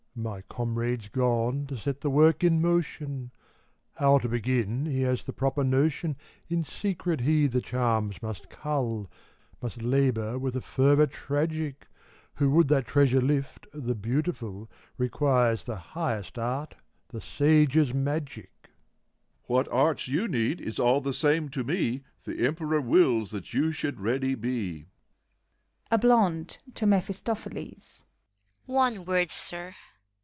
mephiStopheles. My comrade's gone to set the work in motion; How to begin, he has the proper notion In secret he the charms must cull, Must labor with a fervor tragic : Who would that treasure lift, the Beautiful, Requires the highest Art, the sage's Magic. LORD HIGH STEWARD. What arts you need, is all the same to me ; The Emperor wills that you should ready be. A BLONDE (to MePHISTOPHBLES). One word, Sir!